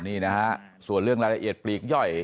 นี่นะฮะส่วนเรื่องรายละเอียดปลีกย่อย